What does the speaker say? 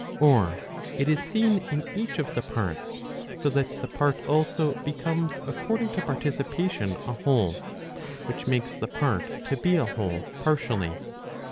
Or it is seen in each of the parts, so that the part also becomes according to participation a whole; which makes the part to be a whole partially.